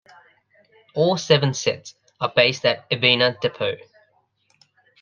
All seven sets are based at Ebina Depot.